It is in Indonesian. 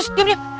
eh diam diam